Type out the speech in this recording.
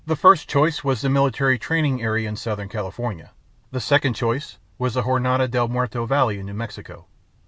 First choice was the military training area in southern California. The second choice, was the Jornada del Muerto Valley in New Mexico.